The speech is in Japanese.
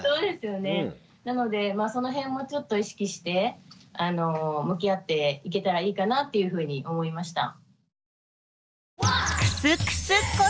なのでその辺もちょっと意識して向き合っていけたらいいかなっていうふうに思いました。